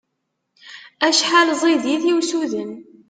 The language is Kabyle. Acḥal ẓid-it i usuden!